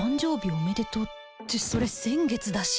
おめでとうってそれ先月だし